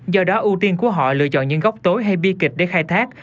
do đó ưu tiên của họ lựa chọn những gốc tối hay bi kịch để khai thác